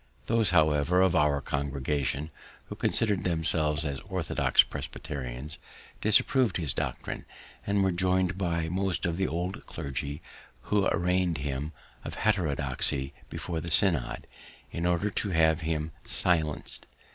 Those, however, of our congregation, who considered themselves as orthodox Presbyterians, disapprov'd his doctrine, and were join'd by most of the old clergy, who arraign'd him of heterodoxy before the synod, in order to have him silenc'd.